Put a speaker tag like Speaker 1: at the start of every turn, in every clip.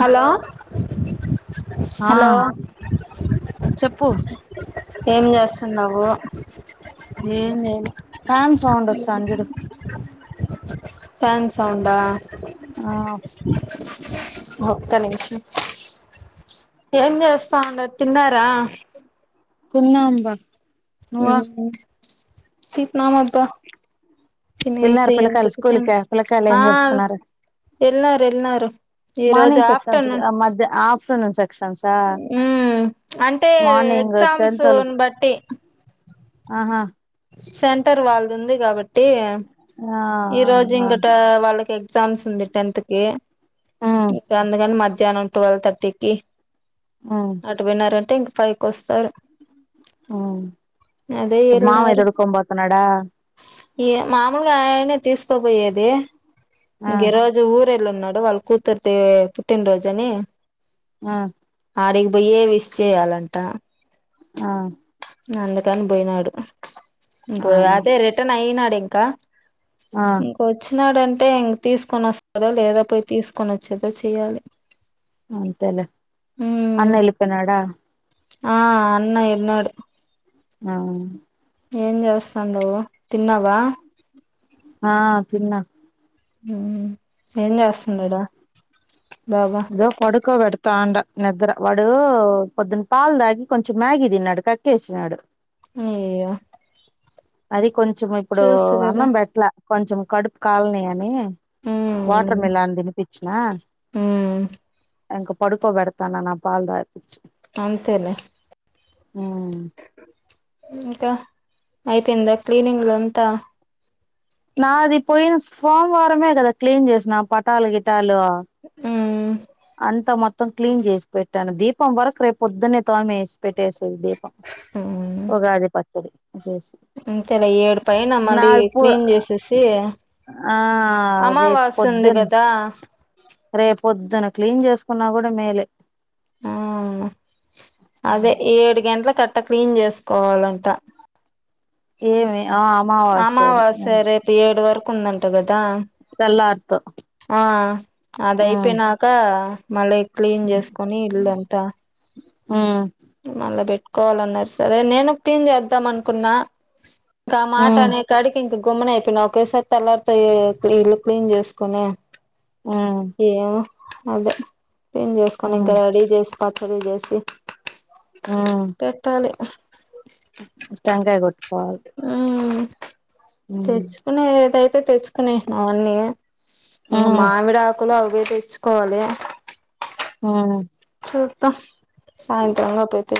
Speaker 1: Hello
Speaker 2: ఆ చెప్పు
Speaker 1: ఏం జేస్ తున్నావు
Speaker 2: ఫ్యాన్ సాండ్ వస్సాంది జూడు
Speaker 1: ఫ్యాన్ సౌండా
Speaker 2: ఆ
Speaker 1: ఏం జేస్తా ఉండారు తిన్నారా
Speaker 2: తిన్నాం బా నువ్వా
Speaker 1: ఏం కు టిఫెనా ముద్ద
Speaker 2: వెళ్ళారు పిల్లకాయలు స్కూల్ కి పిల్లకాయలు ఏం చేస్తున్నారు
Speaker 1: ఎల్నారు ఎల్నారు
Speaker 2: మార్నింగ్ సెక్షన్ కి మధ్య ఆ మ్ సును సారి
Speaker 1: మ్మ్ అంటే
Speaker 2: మార్నింగ్
Speaker 1: ఎగ్జామ్స్
Speaker 2: టెన్తోళ్ళకి
Speaker 1: నుబట్టి
Speaker 2: ఆహా
Speaker 1: సెంటర్ వాళ్దుంది గాబట్టి
Speaker 2: ఆ
Speaker 1: ఈ రోజు
Speaker 2: ఆ
Speaker 1: ఇంకట వాళ్ళకి ఎ గ్జామ్స్ ఉంది టెన్త్ కి
Speaker 2: ఉమ్
Speaker 1: ఇప్పుడు అందుకని మద్ ధ్యానం టువల్ థర్టీకి అటువైనారన్ ధింక్ ఫైవ్ కి వస్తారు
Speaker 2: మ్మ్
Speaker 1: అదే
Speaker 2: ఇప్పుడు మామయ్య తోడుకొని బోతున్నాడా
Speaker 1: ఇగ మాములుగా ఆయనే తీసుకబోయేది
Speaker 2: ఆ
Speaker 1: ఇంగిరోజు ఊర్ వెళ్ళున్నాడు వాళ్ కూతురుది పుట్టినరోజు అని
Speaker 2: ఆ
Speaker 1: ఆడే పోయె విష్ చేయాలంట
Speaker 2: ఆ
Speaker 1: అందుకని పోయినాడు ఇంక
Speaker 2: ఆ
Speaker 1: అదే రిటర్న్ ఐనాడ్ ఇన్ క్క
Speaker 2: ఆ
Speaker 1: ఇంకొచ్చినాడన్ టే ఇంగ్ తీసుకొనొస్తాడో లేదా పోయి తీసుకొని వచ్చేదో చెయ్యాలి.
Speaker 2: అంతేలె
Speaker 1: ఉమ్
Speaker 2: అన్న ఎల్లిపోయినాడా?
Speaker 1: ఆ అన్న ఎల్నాడు.
Speaker 2: అవు
Speaker 1: ఏం చేస్తాంలె ఇగ తిన్నావా?
Speaker 2: ఆ తిన్న
Speaker 1: హు బాబా
Speaker 2: ఇదో పడుకో బెడతాండ. నిద్ర వాడు పొద్దున్న పాలు తాగి కొంచెం మ్యాగీ తిన్నాడు కక్కేసినాడు
Speaker 1: అయ్యయ
Speaker 2: అది కొన్ చెం ఇప్పుడు అన్నం పెట్ లా కొంచెం కడుపు కాలని అని
Speaker 1: ఉమ్
Speaker 2: వాటర్ మెలాన్ తినిపిచ్చిన.
Speaker 1: ఉమ్
Speaker 2: ఇంక పొడుకో బెడతాన్న నా పాలుదాపిచ్చి
Speaker 1: అంతెలె
Speaker 2: ఊ
Speaker 1: ఇంకా అయిపోయిందా క్లీనింగ్ లో అంతా
Speaker 2: నాది పోయిన సోమవారమే కదా క్లీన్ చేసిన పటాలు గిటాలు అ
Speaker 1: ఊ
Speaker 2: అంతా మొత్తం క్లీన్ చేసి పెట్టాను, దీపం వరకు రేపు పొద్దున్నే తోమేసి పెట్టేసి దీపం
Speaker 1: ఉమ్
Speaker 2: ఉగాది పచ్చడి చేసి
Speaker 1: అంతేలే ఏడు పైన మళ్ళీ
Speaker 2: నావి పూ
Speaker 1: క్లీన్ చేసేసి
Speaker 2: ఆ రేపు
Speaker 1: అమావాస్య ఉంది
Speaker 2: పొద్దున్
Speaker 1: కదా
Speaker 2: రేపొ పొద్దున క్లీన్ చేసుకున్నా కూడా మేలే
Speaker 1: ఆ అదే ఏడు గంటల కట్ ట్ట క్లీన్ చేసుకోవాలంట.
Speaker 2: ఏమి ఆ
Speaker 1: అమావాస్య
Speaker 2: అని
Speaker 1: రేపు ఏడు వరక్ కున్ దంట గద్ దా‌
Speaker 2: తెల్లారితో
Speaker 1: ఆ అది
Speaker 2: ఉమ్
Speaker 1: అయిపోయినాక మలిక్ క్లీన్ చేసుకోని ఇల్లాంతా
Speaker 2: ఉ
Speaker 1: మళ్ళా పెట్టుకోవాలన్నారు సరే నేను పిన్ చేద్దాం అనుకున్నా ఇంకా మాట
Speaker 2: ఉమ్
Speaker 1: అనే కాడికి ఇంకున్ కొమ్మన అయిపోయినా ఒకేసారి తెల్లారుతే ఇల్లు క్లీన్ చేసుకొనే
Speaker 2: ఉమ్
Speaker 1: ఏమో అదే పిన్ చేసుకొని
Speaker 2: ఉమ్
Speaker 1: ఇంకా రెడీ చేసు పతుల్ జేసి
Speaker 2: ఉమ్
Speaker 1: పెట్టాలి
Speaker 2: టెంకాయ గోట్ పాల్
Speaker 1: తెచ్చుకునే ఏదైత్ తే తెచ్చుకునే నావ అన్నీ ఇంగ
Speaker 2: ఉమ్
Speaker 1: మామిడ ఆకులావ్ ఇగ తెచ్చుకోవాలే
Speaker 2: ఉ
Speaker 1: కొత్త సాయంత్రం గాపోతే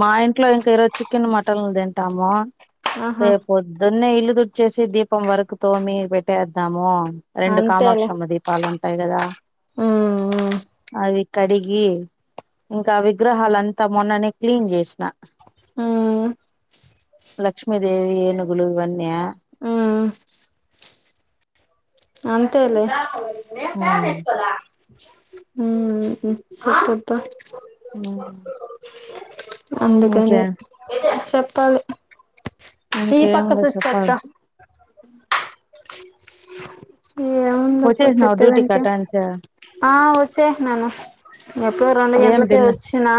Speaker 2: మా ఇంట్లో ఇంకా ఈ రోజు చికెన్ మటన్ ఉందే టమో
Speaker 1: ఆహా
Speaker 2: రేపు పోద్దునే ఇల్ దుర్చేసి దీపం వరకు తోమి పెట్టేద్దాము రెండు కామాక్ష
Speaker 1: అంతేలే
Speaker 2: అమ్మ దీపాలు ఉంటాయి కదా
Speaker 1: ఉమ్
Speaker 2: అవి కడిగి ఇంకా విగ్రహాలఅంతా మొన్ననే క్లీన్ జేసిన
Speaker 1: ఉమ్ ఉమ్
Speaker 2: లక్ష్మీదేవి ఏనుగులు వన్య
Speaker 1: ఉమ్ అంతేలే
Speaker 2: ఆ
Speaker 1: నేప్యా తీసుకురా ఉహు సపొంత
Speaker 2: ఉ
Speaker 1: అందుకని చెప్పల్ ఈ
Speaker 2: ఇంకేం
Speaker 1: పక్క
Speaker 2: లే చెప్పాలి
Speaker 1: [unintelligible] ఏయ అవుందప్ప వ
Speaker 2: వచ్చేసినావు
Speaker 1: చెప్పద
Speaker 2: డ్యూటీ
Speaker 1: అంత
Speaker 2: కటాంచ
Speaker 1: ఆ వచ్చే నను ఎప్పుడు రెండు
Speaker 2: ఏం
Speaker 1: గంటలకే
Speaker 2: భిన్న
Speaker 1: వచ్చినా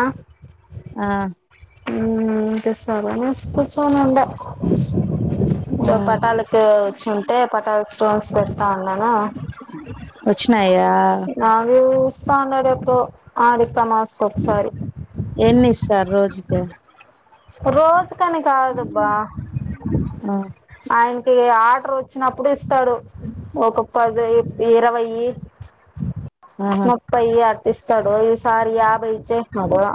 Speaker 2: ఆ
Speaker 1: సార్ మాస కూ చనంట ఇ
Speaker 2: హ్మ్.
Speaker 1: పాట్టాలక అంటే పటా స్టోన్స్ పెడు అన్నానా
Speaker 2: వచ్చినాయా
Speaker 1: [unintelligible] స్ాడేప్పుడు ఆడిత మాస్కు ఒకసారి
Speaker 2: ఎన్ని సార్ రోజుకి
Speaker 1: రోజ కాని కాదుబ్బా
Speaker 2: ఆ
Speaker 1: ఆయన ఆర్డర్ వచ్చినప్పుడు ఇస్తాడు ఒక పది ఇరవై
Speaker 2: ఆహా
Speaker 1: ముప్పై అట్ ఇస్తాడు సారి ఆబయిచ్చే ముడు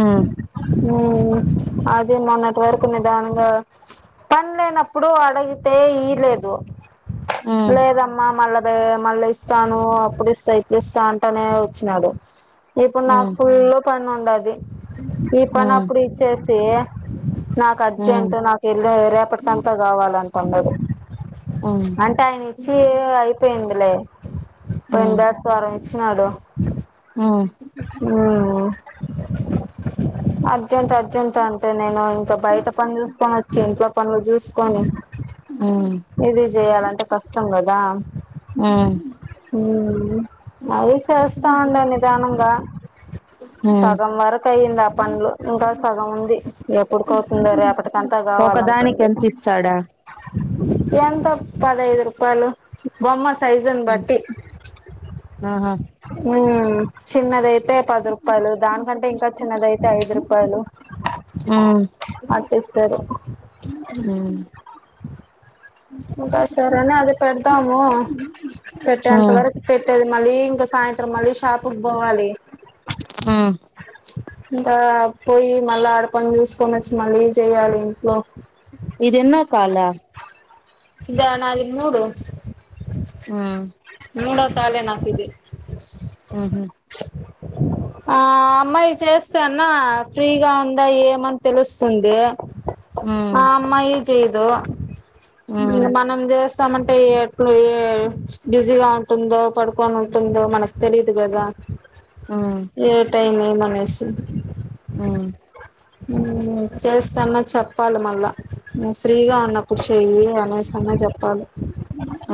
Speaker 2: ఉమ్
Speaker 1: ఉ అది మొన్నటి వరకు నిదానంగా పని లేనప్పుడు అడిగితే ఈలేదు
Speaker 2: ఉమ్
Speaker 1: లేదమ్మా మళ్ళా అడే మళ్ళీ ఇస్తాను అప్పుడు ఇస్తా ఇప్పుడు ఇస్తా అంటనే వచ్చినాడు ఇప్పుడు నాకు
Speaker 2: ఉమ్
Speaker 1: ఫుల్ల్లో ప ఉండది ఈ పన
Speaker 2: ఉమ్
Speaker 1: అప్పుడ స నాకు
Speaker 2: ఉమ్
Speaker 1: అర్జెంట్ నాకు వెళ రేపటికంతా కావాలంటున్నాడు
Speaker 2: ఉమ్
Speaker 1: అంటే ఆయన ఇచ్చి అయిపోయిందిలే పోయిన
Speaker 2: ఉమ్
Speaker 1: దేశ దవారం చిచ్చనాడు
Speaker 2: ఉమ్
Speaker 1: హ అర్జెంట్ అర్జెంట్ అంటే నేను ఇంకా బయట పని చూసుకొని వచ్చి ఇంట్లో పనులు చూసుకొని
Speaker 2: ఉమ్
Speaker 1: ఇది చేయాలే కష్టంగాదా
Speaker 2: ఉమ్
Speaker 1: హ మళీ చేస్తా ఉండడి నిదానంగా క్క
Speaker 2: ఉమ్
Speaker 1: సగం వర కైందా పంలు ఇంకా సగం ఉంది ఎప్పుడుకవుతుందో రేపటికింత
Speaker 2: ఒకదానికి ఎంత ఇస్తాడా
Speaker 1: ఎంత పదైదు రూపాయలు బొమ్మస్ సైజుని
Speaker 2: హ్మ్.
Speaker 1: బట్టి
Speaker 2: ఆహా
Speaker 1: ఉ స చిన్నదైతే పది రూపాయలు దానికంటే ఇంకా చిన్నదయితే ఐదు రూపాయలు
Speaker 2: ఉమ్
Speaker 1: పట్టిస్తారు
Speaker 2: ఉమ్
Speaker 1: ఇంకా సరని అది పెడతాము పెట్టేంత
Speaker 2: ఉమ్
Speaker 1: వరకు పెట్టేది మళ్ళీ ఇంకా సాయంత్రం మళ్ళీ ప్పుప్ పోవాలి
Speaker 2: ఉమ్
Speaker 1: ఇంకా పోయి మళ్ళా ఆడ పని చూసుకొని వచ్చి మళ్ళీ చెయాలి ఇంట్లో
Speaker 2: ఇదెన్న కాల
Speaker 1: ఇదా నాది మూడు
Speaker 2: ఉ
Speaker 1: మూడో కాలే నాకిది
Speaker 2: ఉహు
Speaker 1: ఆ అమ్మాయి చేస్తాన్న ఫ్రీగా ఉందా ఏమని తెలుస్తుంది
Speaker 2: ఉమ్
Speaker 1: ఆ అమ్మాయి చేదు
Speaker 2: ఉమ్
Speaker 1: ఇంగ మనం చేస్ తామంటే ఎట్లు బిజీగా ఉంటుందో పడుకొని ఉంటుందో మనకు తెలీదు కదా
Speaker 2: ఉమ్
Speaker 1: ఏ టైమ్ మనసి
Speaker 2: ఆ
Speaker 1: ఉ చేస్తన్న చెప్పాలి మళ్ళా ఫ్రీగా ఉన్నప్పుడు చెయ్యి అనేసన్నా చెప్పాలి
Speaker 2: ఆ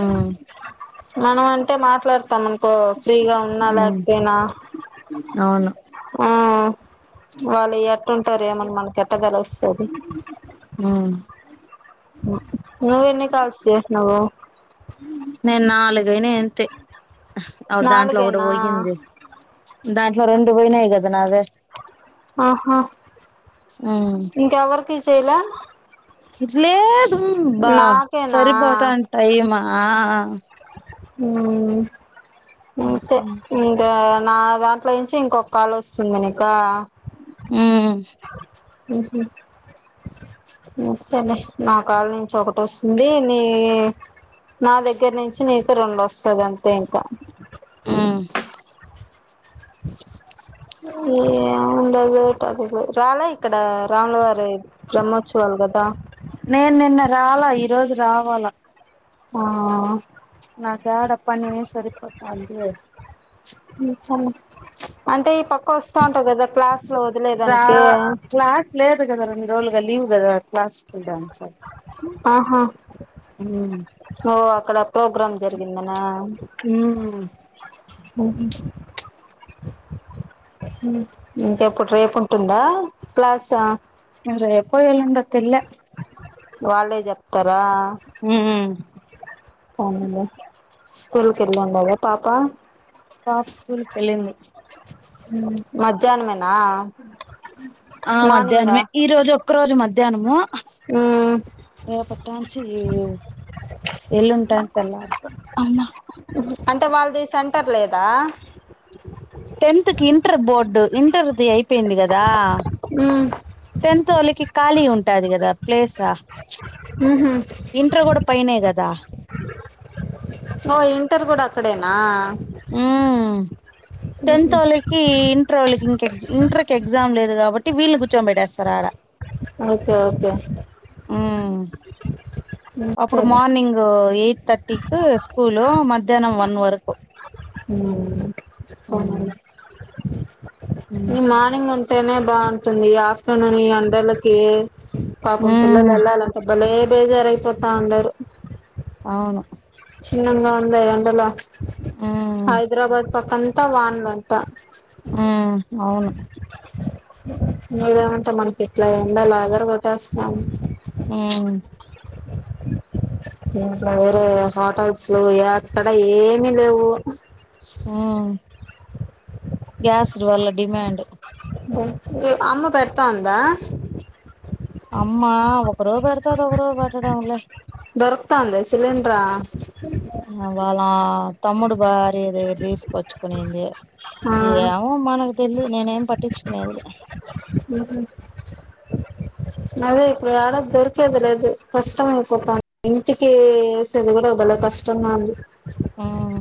Speaker 1: మనం అంటే మాట్లాడతాం అనుకో ఫ్రీగా ఉన్నా
Speaker 2: ఉమ్
Speaker 1: లేకపోయినా
Speaker 2: అవును
Speaker 1: వాళ్ళు ఎ కుంటారు ఏమన్నా మనకి ఎట్ట తెలుస్తాది
Speaker 2: ఆ
Speaker 1: నువ్వు ఎన్ని కాల్స్ చేసినావు
Speaker 2: నే నాలుగు నేను అంతే అ దాంట్లో ఒకటి
Speaker 1: నాలుగేనా
Speaker 2: పోయింది దాంట్లో రెండు పోయినాయి కదా నాదే
Speaker 1: ఆహ్ ఆ
Speaker 2: ఉమ్
Speaker 1: ఇంకా ఎవర్కి చేలా
Speaker 2: ఇట్ లేదు బా సరిపోతాను టైమా
Speaker 1: అ అంతే ఇంకా నా దాంట్లో నుంచి ఇంకొ కాల్ వస్తుంది నక
Speaker 2: ఆ
Speaker 1: కడి నా కాళ నుంచి ఒకటి వస్తుంది నీ నా దగ్గర దగ్గ నుంచి నీకు రెండు వస్తుందింత తెేకా
Speaker 2: ఉమ్
Speaker 1: రాలా ఇక్కడ రాములవారి బ్రహ్మోత్సవాలు కదా
Speaker 2: నేను నిన్న రాలా ఈ రోజు రావాలా
Speaker 1: ఆ
Speaker 2: నా తేడా ప నే సరిపతాంది
Speaker 1: అంటే ఈ పక్క వస్తా ఉంటావు కదా క్లాస్ లో
Speaker 2: రా
Speaker 1: వదిలేదానికి
Speaker 2: క్లాస్ లేదు కదా రెండు రోజులుగా లీవ్ కదా క్లాసిికల్ డన్స
Speaker 1: ఆహా ఓ అక్కడ ప్రోగ్రామ్ జరిగిందనా
Speaker 2: ఉమ్
Speaker 1: మ ఇంకెప్పుడు రేపు ఉంటుందా ప్లాస్
Speaker 2: అ రే పోయి వెలండతిల
Speaker 1: వాళ్ళే చెప్తారా
Speaker 2: ఉమ్
Speaker 1: స్కూల్కి వెళ్ళండద పాపా
Speaker 2: పాక్ూల్ తెలింది
Speaker 1: మధ్యాహ్నమేనా
Speaker 2: ఆ
Speaker 1: మార్నింగా
Speaker 2: మధ్యాహనమే ఈ రోజు ఒక్క రోజు మధ్యాహ్నము రేపటి నుంచి ఎలు ఉంటాయింతల అమ్
Speaker 1: అంటే వాళ్ళది సెంటర్ లేదా
Speaker 2: టెన్త్ కి ఇంటర్ బోర్డు ఇంటర్ది అయిపోయింది కదా
Speaker 1: అ
Speaker 2: టెంత అలికి కాళీ ఉంటు పెట్టాది కదా ప్లేసా ఇంటర్ కూడా పైనే కదా
Speaker 1: ఓ ఇంటర్ కూడానా
Speaker 2: టెన్త్ వాళ్ళకి ఇంటర్ వాళకిం ఇంటర్కి ఎగ్జామ్ లేదు కాబటి వీళ్ళని కూర్చోంబట్టేస్తారు ఆడ
Speaker 1: ఓకే ఓకే
Speaker 2: ఉమ్ అప్పుడు
Speaker 1: అంతేలే
Speaker 2: మార్నింగ్ ఎయిట్ థర్టీకి స్కూలు మధ్యాహ్నం వన్ వరకు
Speaker 1: ఉమ్
Speaker 2: ఉమ్
Speaker 1: అవునండి ఈ మార్నింగ్ ఉంటేనే బాగుంటుంది ఆఫ్టర్నూన్ ఈ ఎండలకి పాపం పిల్లలు
Speaker 2: ఉమ్
Speaker 1: వెళ్ళాలంటే భలే బేజారయిపోతా ఉండారు
Speaker 2: అవును
Speaker 1: చిన్నంగా ఉందా ఎండలో
Speaker 2: ఉమ్
Speaker 1: హైదరాబాద్ పక్కంతా వానలంట
Speaker 2: ఉమ్ అవును
Speaker 1: ఇదేమంటే మనకి ఇట్లా ఎండలు అదర కొట్టేస్తాంది
Speaker 2: ఉమ్
Speaker 1: ఇంట్లో వేరే హోటల్స్ లో ఎక్కడ ఏమి లేవు
Speaker 2: ఉమ్ గ్యాస్ వల్ల డిమాండ్
Speaker 1: అమ్మ పెడతాందా
Speaker 2: అమ్మ ఒక రోజు పెడతది ఒక రోజు పెట్టడంలే
Speaker 1: దొరుకుతాంది సిలిండ్రా
Speaker 2: వాళ్ళ తమ్ముడు భార్య దగ్గర తీసుకొచ్చుకునింది
Speaker 1: ఆ
Speaker 2: ఏమో మనకు తెలీదు నేనేం పట్టించుకునేదిలే
Speaker 1: అదే ఇప్పుడు యాడ దొరికేది లేదు కష్టం అయిపోతాంది ఇంటికి వేసేది కూడా భలే కష్టంగా ఉంది
Speaker 2: ఉమ్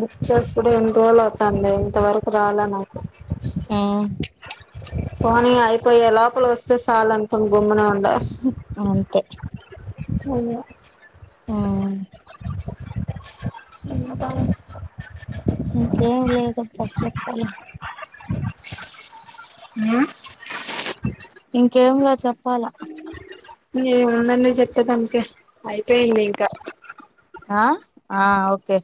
Speaker 1: బుక్ చేసి కూడా ఎన్ని రోజులు అవుతాంది ఇంతవరకు రాలా నాకు
Speaker 2: ఉమ్
Speaker 1: పోనీ అయిపోయే లోపల వస్తే చాలు అనుకుని గమ్మునే ఉండ
Speaker 2: అంతే ఉమ్ ఇంకేం లేదబ్బా చెప్పాల ఇంకేం లే చెప్పాలా
Speaker 1: ఏముందండి చెప్పేదానికి అయిపోయింది ఇంకా
Speaker 2: ఆ ఆ ఓకే